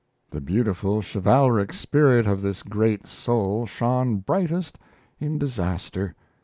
The beautiful chivalric spirit of this great soul shone brightest in disaster.